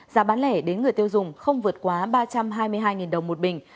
giá bán lẻ đến người tiêu dùng không vượt quá ba trăm hai mươi hai đồng một bình